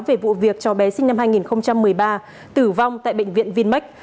về vụ việc cho bé sinh năm hai nghìn một mươi ba tử vong tại bệnh viện vinmec